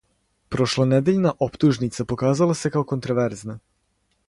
Прошлонедељна оптужница показала се као контроверзна.